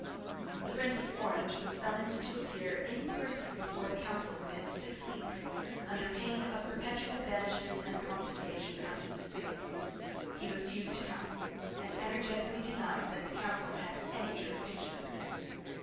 The Prince of Orange was summoned to appear in person before the council within six weeks, under pain of perpetual banishment and confiscation of his estates. He refused to come, and energetically denied that the council had any jurisdiction over him.